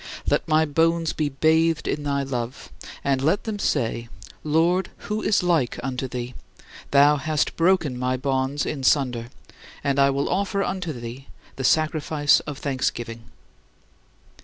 Let my bones be bathed in thy love, and let them say: "Lord, who is like unto thee? Thou hast broken my bonds in sunder, I will offer unto thee the sacrifice of thanksgiving."